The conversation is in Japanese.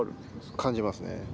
感じますね。